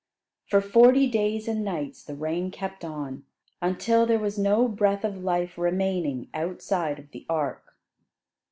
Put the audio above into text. For forty days and nights the rain kept on, until there was no breath of life remaining outside of the ark.